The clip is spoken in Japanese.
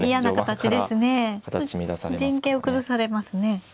陣形を崩されますね。